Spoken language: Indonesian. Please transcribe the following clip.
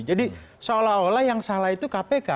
jadi seolah olah yang salah itu kpk